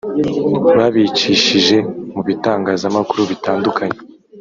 babicishije mu bitangazamakuru bitandukanye